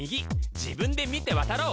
自分で見て渡ろう！